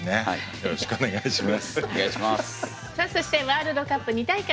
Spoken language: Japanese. よろしくお願いします。